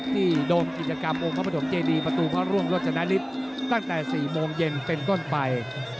โดมกิจกรรมองค์พระปฐมเจดีประตูพระร่วงโรจนฤทธิ์ตั้งแต่๔โมงเย็นเป็นต้นไป